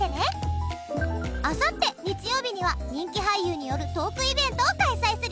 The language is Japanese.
あさって日曜日には人気俳優によるトークイベントを開催するよ。